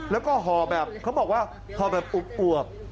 แล้วก็ห่อแบบเขาบอกว่าห่อแบบอวบ